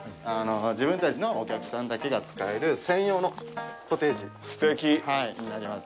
自分たちのお客さんだけが使える専用のコテージになります。